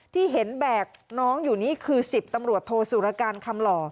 ที่เห็นแบกน้องอยู่นี่คือ๑๐ตำรวจโทสุรการคำหล่อ